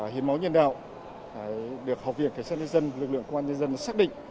hiến máu nhân đạo được học viện cảnh sát nhân dân lực lượng công an nhân dân xác định